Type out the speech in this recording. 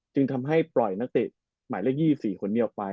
จึงทำให้ปล่อยนักติดหมายเลข๒๔คนเดียวไป